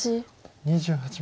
２８秒。